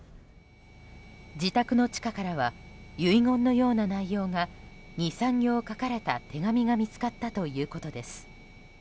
自宅の地下からは遺言のような内容が２３行書かれた手紙が見つかったということです。